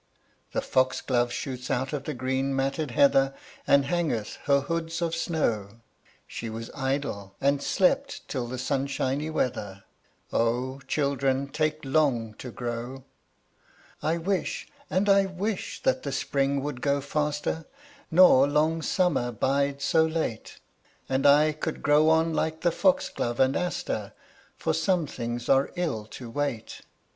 The foxglove shoots out of the green matted heather, And hangeth her hoods of snow; She was idle, and slept till the sunshiny weather: O, children take long to grow. I wish, and I wish that the spring would go faster, Nor long summer bide so late; And I could grow on like the foxglove and aster, For some things are ill to wait.